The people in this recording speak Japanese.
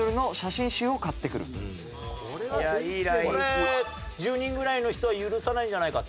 これ１０人ぐらいの人は許さないんじゃないかと？